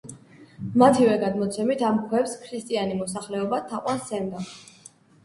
მათივე გადმოცემით, ამ ქვებს ქრისტიანი მოსახლეობა თაყვანს სცემდა.